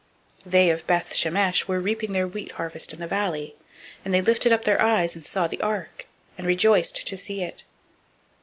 006:013 They of Beth Shemesh were reaping their wheat harvest in the valley; and they lifted up their eyes, and saw the ark, and rejoiced to see it.